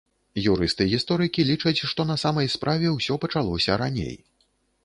Юрысты-гісторыкі лічаць, што на самай справе ўсё пачалося раней.